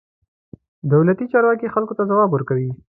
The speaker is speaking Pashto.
دولتي چارواکي خلکو ته ځواب ورکوي.